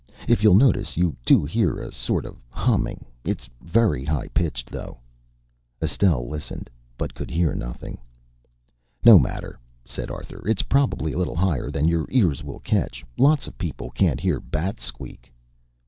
If you'll notice, you do hear a sort of humming. It's very high pitched, though." Estelle listened, but could hear nothing. "No matter," said Arthur. "It's probably a little higher than your ears will catch. Lots of people can't hear a bat squeak."